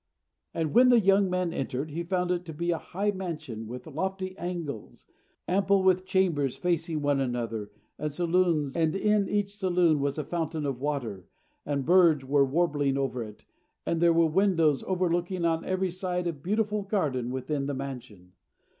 And when the young man entered, he found it to be a high mansion, with lofty angles, ample, with chambers facing one another, and saloons; and in each saloon was a fountain of water, and birds were warbling over it, and there were windows overlooking, on every side, a beautiful garden within the mansion.